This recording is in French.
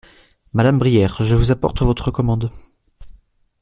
Madame Brière, je vous apporte votre commande.